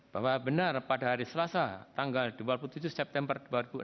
bahwa benar pada hari selasa tanggal dua puluh tujuh september dua ribu enam belas